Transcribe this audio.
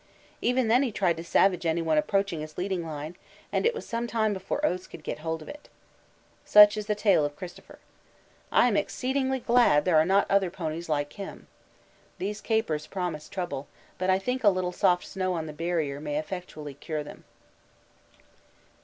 Even then he tried to savage anyone approaching his leading line, and it was some time before Oates could get hold of it. Such is the tale of Christopher. I am exceedingly glad there are not other ponies like him. These capers promise trouble, but I think a little soft snow on the Barrier may effectually cure them.